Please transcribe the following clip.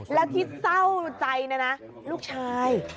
แล้วที่เศร้าใจนะนะลูกชาย